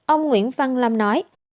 ông nguyễn văn lâm nói